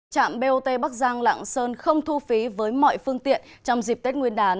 trạm bot bắc giang lạng sơn không thu phí với mọi phương tiện trong dịp tết nguyên đán